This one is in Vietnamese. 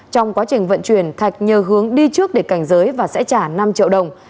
trong quá trình vận chuyển thạch nhờ hướng đi trước để cảnh giới và sẽ trả năm triệu đồng